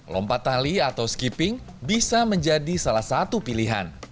lompat tali atau skipping bisa menjadi salah satu pilihan